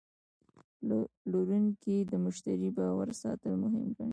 پلورونکی د مشتری باور ساتل مهم ګڼي.